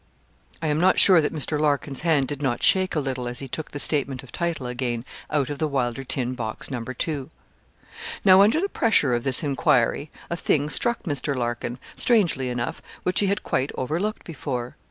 I am not sure that Mr. Larkin's hand did not shake a little as he took the statement of title again out of the Wylder tin box No. 2. Now, under the pressure of this enquiry, a thing struck Mr. Larkin, strangely enough, which he had quite overlooked before.